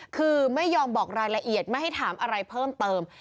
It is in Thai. คือไม่ยอมบอกรายละเอียดไม่ให้ถามอะไรเพิ่มเติม